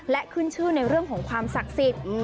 และขึ้นชื่อในเรื่องของความศักดิ์สิทธิ์